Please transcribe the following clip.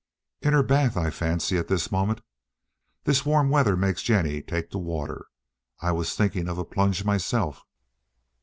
"In her bath, I fancy, at this moment. This warm weather makes Jennie take to water. I was thinking of a plunge myself."